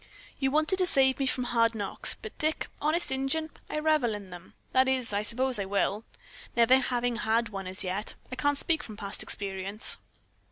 You wanted to save me from hard knocks, but, Dick, honest Injun, I revel in them. That is, I suppose I will. Never having had one as yet, I can't speak from past experience."